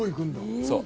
そう。